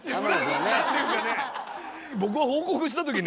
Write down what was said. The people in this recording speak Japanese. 僕が報告した時ね